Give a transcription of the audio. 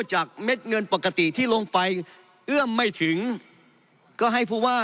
เม็ดเงินปกติที่ลงไปเอื้อมไม่ถึงก็ให้ผู้ว่า